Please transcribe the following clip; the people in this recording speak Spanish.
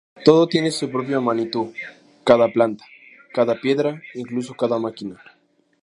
Todo tiene su propio Manitu—cada planta, cada piedra e incluso cada máquina.